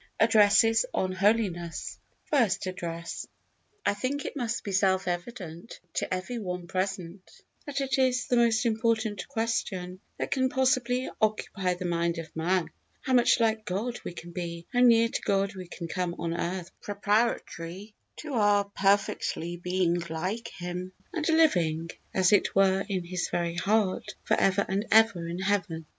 ADDRESSES ON HOLINESS, IN EXETER HALL. FIRST ADDRESS. I think it must be self evident to everyone present that it is the most important question that can possibly occupy the mind of man how much like God we can be how near to God we can come on earth preparatory to our being perfectly like Him, and living, as it were, in His very heart for ever and ever in Heaven.